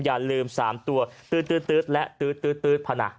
อย่าลืม๓ตัวตื๊ดตื๊ดตื๊ดและตื๊ดตื๊ดตื๊ดพนัก